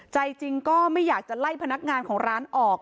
ใจจริงก็ไม่อยากจะไล่พนักงานของร้านออก